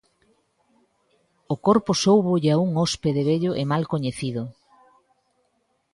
O corpo soubolle a un hóspede vello e mal coñecido.